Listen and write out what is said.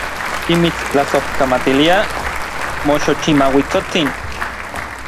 Timitstlasojkamatiliaj, moxochimauitsotsin.